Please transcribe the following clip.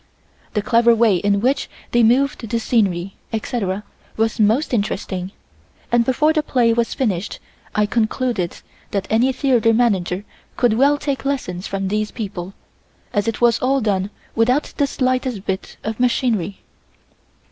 The clever way in which they moved the scenery, etc., was most interesting, and before the play was finished I concluded that any theatre manager could well take lessons from these people; and it was all done without the slightest bit of machinery.